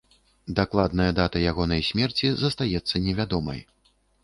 Дакладная дата ягонай смерці застаецца невядомай.